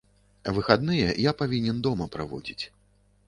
Выхадныя я павінен дома праводзіць.